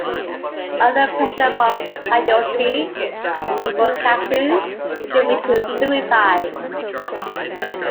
Under pressure from Hideyoshi and Nobukatsu, he committed suicide.